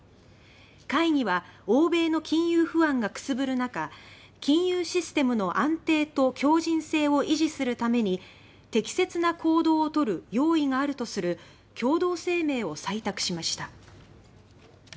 会議は、欧米の金融不安がくすぶるなか「金融システムの安定と強靭性を維持するために適切な行動をとる用意がある」とする共同声明を採択しました。